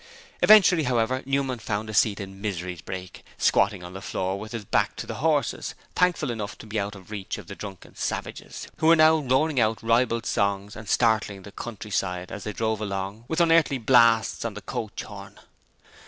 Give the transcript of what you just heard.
Eventually, however, Newman found a seat in Misery's brake, squatting on the floor with his back to the horses, thankful enough to be out of reach of the drunken savages, who were now roaring out ribald songs and startling the countryside, as they drove along, with unearthly blasts on the coach horn.